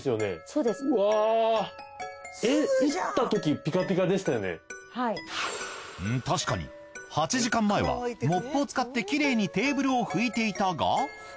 うん確かに８時間前はモップを使ってキレイにテーブルを拭いていたが。